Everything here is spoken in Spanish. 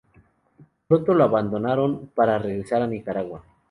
Pronto la abandonaron para regresar a Nicaragua.